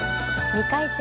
２回戦